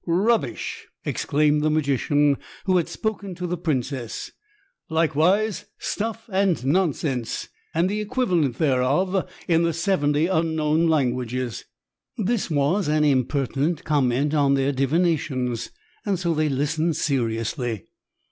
"Rubbish!" exclaimed the magician who had spoken to the princess; "likewise stuff and nonsense and the equivalent thereof in the seventy unknown languages." That was an impertinent comment on their divinations, and so they listened seriously.